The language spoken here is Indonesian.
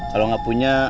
kalau gak punya